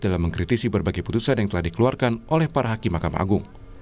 dalam mengkritisi berbagai putusan yang telah dikeluarkan oleh para hakim mahkamah agung